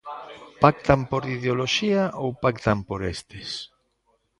¿Pactan por ideoloxía ou pactan por estes?